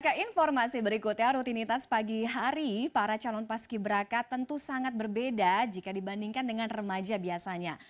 keinformasi berikutnya rutinitas pagi hari para calon paski beraka tentu sangat berbeda jika dibandingkan dengan remaja biasanya